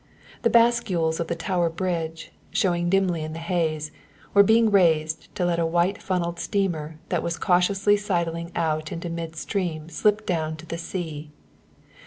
The bascules of the Tower Bridge, showing dimly in the haze, were being raised to let a white funneled steamer that was cautiously sidling out into mid stream slip down to the sea.